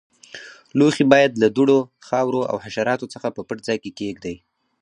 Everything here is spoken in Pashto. لوښي باید له دوړو، خاورو او حشراتو څخه په پټ ځای کې کېږدئ.